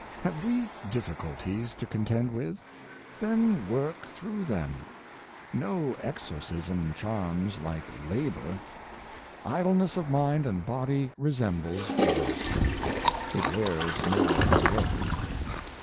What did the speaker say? Have we difficulties to contend with.^ Then work through them. No exorcism charms like labor. Idle ness of mind and body resembles rust. It wears more than work.